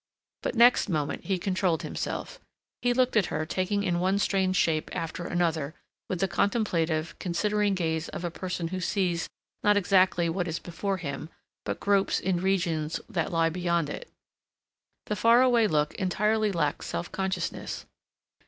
But next moment he controlled himself; he looked at her taking in one strange shape after another with the contemplative, considering gaze of a person who sees not exactly what is before him, but gropes in regions that lie beyond it. The far away look entirely lacked self consciousness.